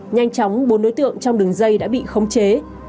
nhanh chóng bốn đối tượng trong đường dây đã bị khống chế